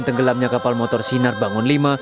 tenggelamnya kapal motor sinar bangun v